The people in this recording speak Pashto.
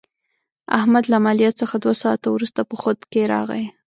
احمد له عملیات څخه دوه ساعته ورسته په خود کې راغی.